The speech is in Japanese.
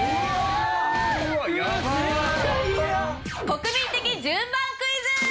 国民的順番クイズ！